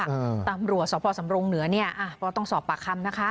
อืมตำรวจสพสำรงเหนือเนี้ยอ่ะก็ต้องสอบปากคำนะคะ